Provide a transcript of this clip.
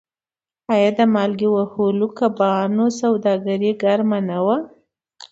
آیا د مالګې وهلو کبانو سوداګري ګرمه نه وه؟